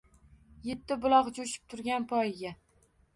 Yetti buloq jo’shib turgan poyiga